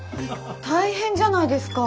大変じゃないですか。